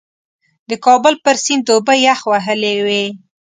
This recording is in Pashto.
د کابل پر سیند اوبه یخ وهلې وې.